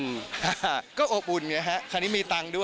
จริงก็อบอุ่นคราวนี้มีตังค์ด้วย